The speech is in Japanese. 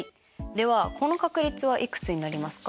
ではこの確率はいくつになりますか？